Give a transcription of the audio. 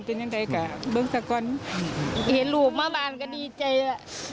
เห็นลูกมาบ้านก็ดีใจอะ